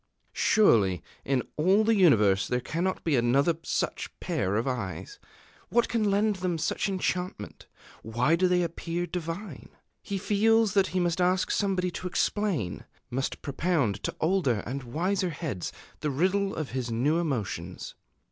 Surely in all the universe there cannot be another such pair of eyes! What can lend them such enchantment? Why do they appear divine?... He feels that he must ask somebody to explain, must propound to older and wiser heads the riddle of his new emotions.